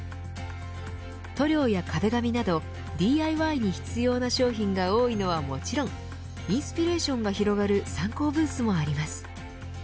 塗料や壁紙などＤＩＹに必要な商品が多いのはもちろんインスピレーションが広がる参考ブースもあります。